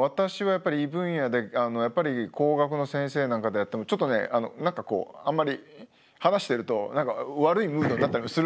私は異分野で工学の先生なんかとやってもちょっとね何かこうあんまり話してると悪いムードになったりするわけですよね。